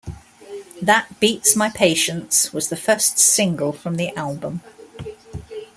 "That Beats My Patience" was the first single from the album.